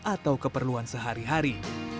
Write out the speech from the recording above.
atau keperluan sehari hari